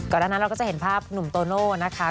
หน้านั้นเราก็จะเห็นภาพหนุ่มโตโน่นะคะ